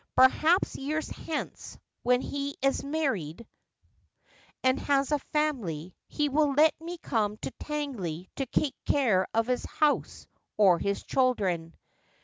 Perhaps years hence, when he is married and has a family, he will let me come to Tangley to take care of his house or his children.'